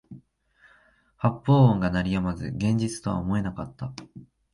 発砲音が鳴り止まず現実とは思えなかった